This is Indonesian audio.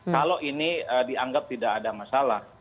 kalau ini dianggap tidak ada masalah